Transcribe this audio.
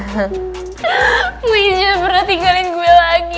please jangan pernah tinggalin gue lagi